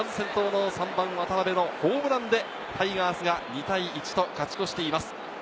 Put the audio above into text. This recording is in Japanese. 渡邉のホームランでタイガースが２対１と勝ち越しています。